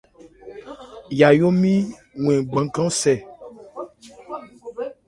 Yayó nmi wɛn gbankrân-sɛ.